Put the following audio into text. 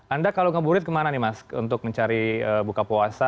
anda kalau ngeburit kemana nih mas untuk mencari buka puasa